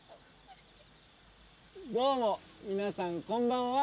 どうも皆さんこんばんは。